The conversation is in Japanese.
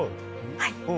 はい。